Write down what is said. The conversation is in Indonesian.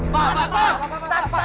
pak pak pak